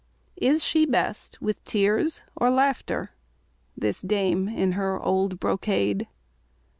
Is she best with tears or laughter, This dame in her old brocade?